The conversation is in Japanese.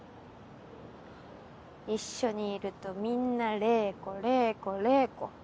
一緒にいるとみんな怜子怜子怜子。